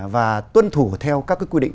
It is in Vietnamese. và tuân thủ theo các cái quy định